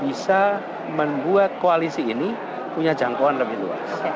bisa membuat koalisi ini punya jangkauan lebih luas